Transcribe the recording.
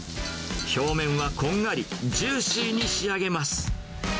表面はこんがり、ジューシーに仕上げます。